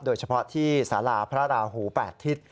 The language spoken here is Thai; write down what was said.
โดยเฉพาะที่สาราพระราหู๘ทิศ